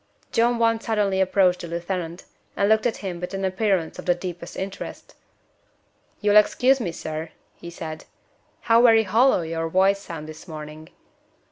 John Want suddenly approached the lieutenant, and looked at him with an appearance of the deepest interest. "You'll excuse me, sir," he said; "how very hollow your voice sounds this morning!"